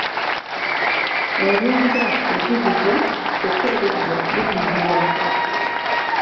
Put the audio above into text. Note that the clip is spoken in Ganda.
Envunza ejigijja ky'okka eriggwa lijijiira.